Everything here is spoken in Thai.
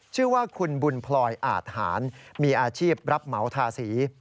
ชื่อว่าคุณบุญพลอยอาทหารมีอาชีพรับเหมาทาสี